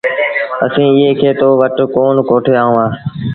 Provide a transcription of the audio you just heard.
اسيٚݩٚ ايٚئي کي توٚݩ وٽ ڪون ڪوٺي آئو هآ۔